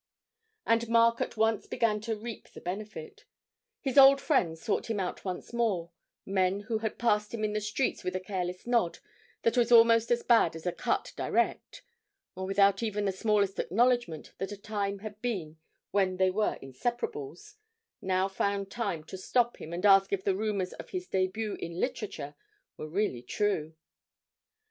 And Mark at once began to reap the benefit. His old friends sought him out once more; men who had passed him in the streets with a careless nod that was almost as bad as a cut direct, or without even the smallest acknowledgment that a time had been when they were inseparables, now found time to stop him and ask if the rumours of his début in literature were really true.